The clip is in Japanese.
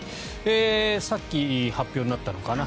さっき発表になったのかな。